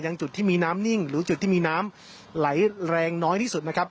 จุดที่มีน้ำนิ่งหรือจุดที่มีน้ำไหลแรงน้อยที่สุดนะครับ